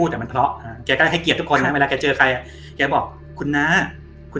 ที่พักชี้กำลังตั้งจัดเป็นก้อน